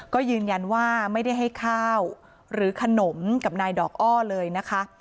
ก็ยืนยันว่าไม่ได้ให้ข้าวหรือขนมกับนายดอกอ้อเลยนะคะ